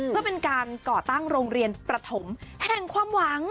เพื่อเป็นการก่อตั้งโรงเรียนประถมแห่งความหวัง